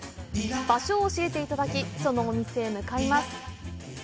場所を教えていただき、そのお店へ向かいます。